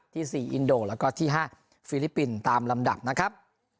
ที่๔อินโดแล้วก็ที่๕ฟิลิปปินส์ตามลำดับนะครับ